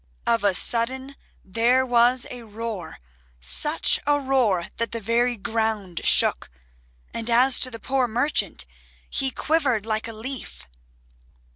Of a sudden there was a roar, such a roar that the very ground shook, and as to the poor merchant he quivered like a leaf.